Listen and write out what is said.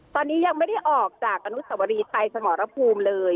ตอนนี้ยังไม่ได้ออกจากอนุสวรีชัยสมรภูมิเลย